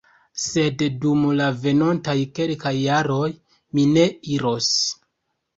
Sed dum la venontaj kelkaj jaroj mi ne iros.